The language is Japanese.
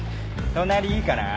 隣いいかな？